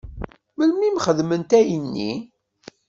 Melmi i m-xedment ayenni?